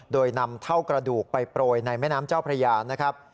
โดยนำเท่ากระดูกไปโปรยในแม่น้ำเจ้าพระยานะครับ